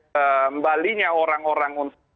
kembalinya orang orang untuk